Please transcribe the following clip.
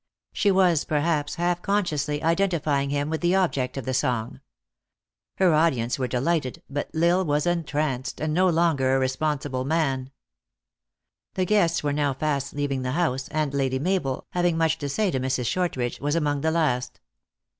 She was, perhaps half consciously, identifying THE ACTKESS IN HIGH LIFE. 363 him with the object of the song. Her audience were delighted, but L Isle was entranced, and no longer a responsible man. The guests were now fast leaving the house, and Lady Mabel, having much to say to Mrs. Shortridge, was among the last.